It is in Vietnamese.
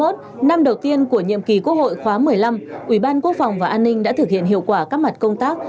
trong năm hai nghìn hai mươi một năm đầu tiên của nhiệm kỳ quốc hội khóa một mươi năm ủy ban quốc phòng và an ninh đã thực hiện hiệu quả các mặt công tác